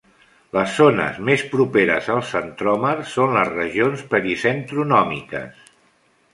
Les zones més properes al centròmer són les regions pericentronòmiques.